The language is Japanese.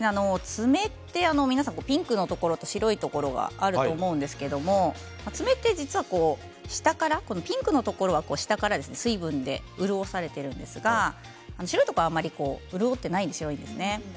爪ってピンクのところと白いところがあると思うんですけども爪は実は下からピンクのところは下から水分で潤されているんですが白いところはあまり潤っていないんですね。